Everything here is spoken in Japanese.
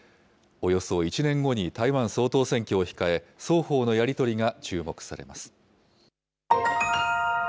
およそ１年後に台湾総統選挙を控え、双方のやり取りが注目されま